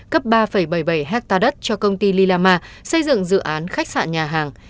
cấp ba bảy mươi bảy hectare đất cho công ty lilama xây dựng dự án khách sạn nhà hàng